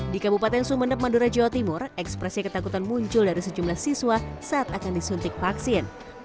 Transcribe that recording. di kabupaten sumeneb madura jawa timur ekspresi ketakutan muncul dari sejumlah siswa saat akan disuntik vaksin